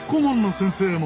先生も？